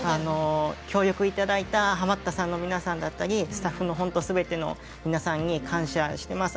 協力いただいたハマったさんの皆さんだったりスタッフの本当すべての皆さんに感謝しています。